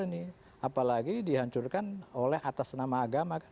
apalagi dihancurkan oleh atas nama agama